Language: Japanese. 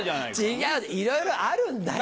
違ういろいろあるんだよ！